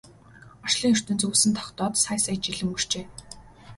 Орчлон ертөнц үүсэн тогтоод сая сая жил өнгөрчээ.